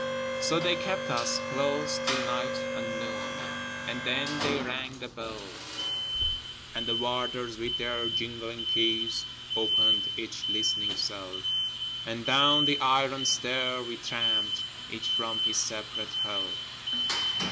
So they kept us close till nigh on noon, And then they rang the bell, And the Warders with their jingling keys Opened each listening cell, And down the iron stair we tramped, Each from his separate Hell.